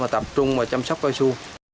tập trung và chăm sóc cao su